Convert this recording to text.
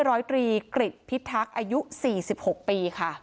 ร้อยตรีกริจพิทักษ์อายุ๔๖ปีค่ะ